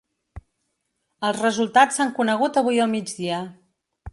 Els resultats s’han conegut avui al migdia.